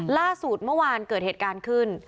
ล่าสุดเมื่อวานเกิดเหตุการณ์ขึ้น